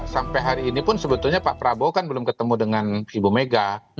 sampai hari ini pun sebetulnya pak prabowo kan belum ketemu dengan ibu mega